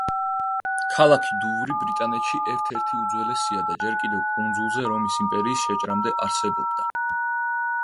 ქალაქი დუვრი ბრიტანეთში ერთ-ერთი უძველესია და ჯერ კიდევ კუნძულზე რომის იმპერიის შეჭრამდე არსებობდა.